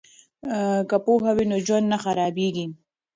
که پوهه وي نو ژوند نه خرابیږي.